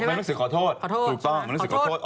นักสือขอโทษ